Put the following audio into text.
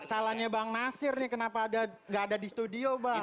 salahnya bang nasir nih kenapa gak ada di studio bang